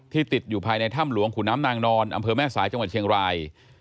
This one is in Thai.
ติดอยู่ภายในถ้ำหลวงขุนน้ำนางนอนอำเภอแม่สายจังหวัดเชียงราย